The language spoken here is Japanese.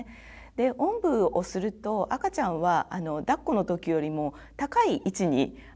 おんぶをすると赤ちゃんはだっこの時よりも高い位置に顔がきます。